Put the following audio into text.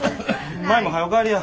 舞もはよ帰りや。